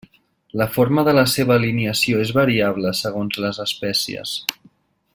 La forma de la seva alineació és variable segons les espècies.